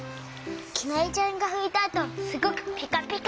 きなりちゃんがふいたあとすごくピカピカ！